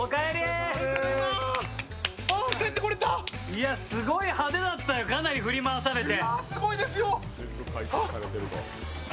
いや、すごい派手だったよ、かなり振り回されて。